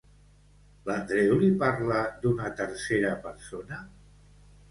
L'Andreu li parla d'una tercera persona?